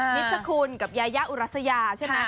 นิตชะคุณกับยายาอุรัสยาใช่มั้ย